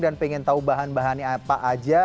dan pengen tahu bahan bahannya apa aja